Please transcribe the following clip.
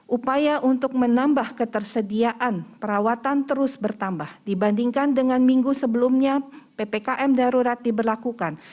upaya untuk menambah ketersediaan perawatan terus bertambah dibandingkan dengan minggu sebelumnya ppkm darurat diberlakukan